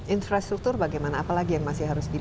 infrastruktur bagaimana apa lagi yang masih harus dibuat